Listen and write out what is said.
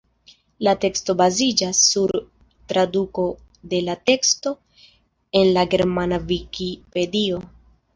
La teksto baziĝas sur traduko de la teksto en la germana vikipedio.